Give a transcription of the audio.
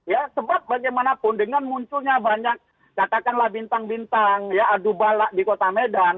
ya sebab bagaimanapun dengan munculnya banyak katakanlah bintang bintang ya adu balak di kota medan